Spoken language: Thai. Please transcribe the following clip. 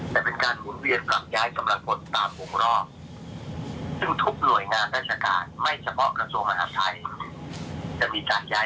จะมีการยัยลักษณะอย่างนี้